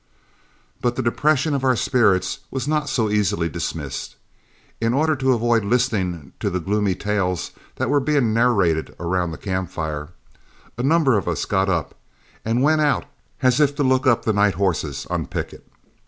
But the depression of our spirits was not so easily dismissed. In order to avoid listening to the gloomy tales that were being narrated around the camp fire, a number of us got up and went out as if to look up the night horses on picket.